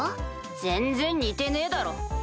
全然似てねえだろ。